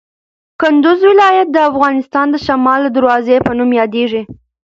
کندوز ولایت د افغانستان د شمال د دروازې په نوم یادیږي.